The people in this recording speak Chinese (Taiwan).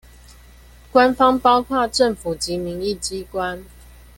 官方包括政府及民意機關